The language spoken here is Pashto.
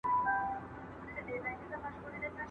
¬ چي طلب ئې کوې، پر پېښ به سې.